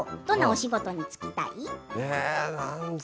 どんなお仕事に就きたい？